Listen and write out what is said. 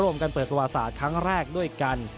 เปิดประวัติศาสตร์ครั้งแรกด้วยกัน